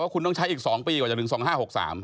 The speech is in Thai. คุณต้องใช้อีก๒ปีกว่าจะถึง๒๕๖๓